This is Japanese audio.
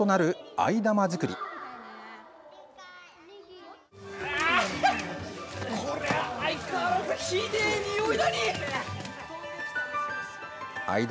相変わらずひでえにおいだ。